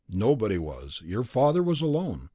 "Nobody was. Your father was alone.